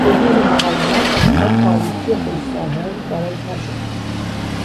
بدون مقاومت به آن تاریکی خوش ظاهر وارد مشو...